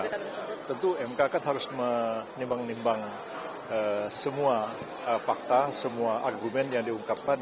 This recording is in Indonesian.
tentu mk kan harus menimbang nimbang semua fakta semua argumen yang diungkapkan